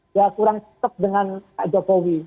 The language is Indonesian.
ya kurang setep dengan kak jokowi